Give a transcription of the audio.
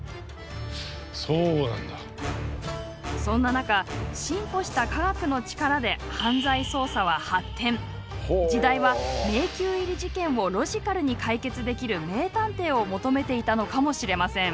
そんな中進歩した科学の力で時代は迷宮入り事件をロジカルに解決できる名探偵を求めていたのかもしれません。